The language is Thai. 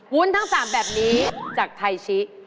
วุ้นทั้ง๓แบบนี้จากไทยชิ